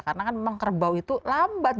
karena kan memang kerbau itu lambat